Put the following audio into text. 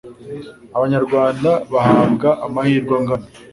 abanyarwanda bahabwa amahirwe angana